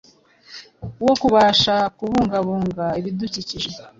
wo kubasha kubungabunga ibidukikije